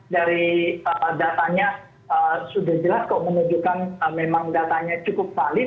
dari datanya sudah jelas kok menunjukkan memang datanya cukup valid